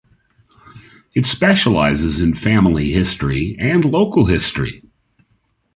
It specialises in family history and local history.